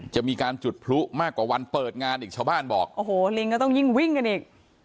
จะมีการจุดพลุมากกว่าวันเปิดงานอีกชาวบ้านบอกโอ้โหลิงก็ต้องยิ่งวิ่งกันอีก